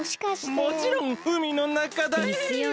もちろんうみのなかだヒン！ですよね。